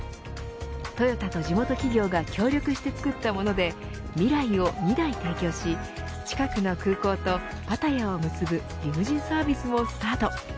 トヨタと地元企業が協力して作ったものでＭＩＲＡＩを２台提供し近くの空港とパタヤを結ぶリムジンサービスもスタート。